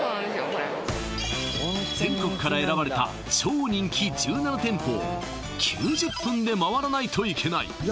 これ全国から選ばれた超人気１７店舗を９０分で回らないといけない